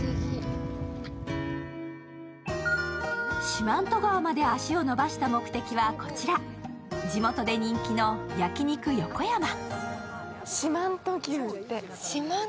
四万十川まで足を伸ばした目的はこちら、地元で人気の焼肉よこやま。